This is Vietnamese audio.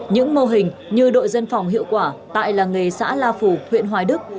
những mô hình như đội dân phòng hiệu quả tại làng nghề xã la phủ huyện hoài đức